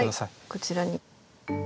こちらに。